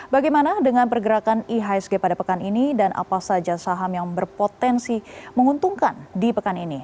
bagaimana dengan pergerakan ihsg pada pekan ini dan apa saja saham yang berpotensi menguntungkan di pekan ini